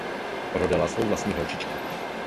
Prodala svou vlastní holčičku.